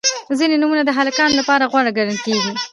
• ځینې نومونه د هلکانو لپاره غوره ګڼل کیږي.